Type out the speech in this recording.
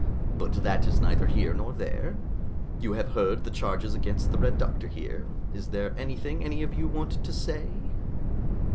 But that is neither here nor there. You have heard the charges against the Red Doctor here. Is there anything any of you want to say?"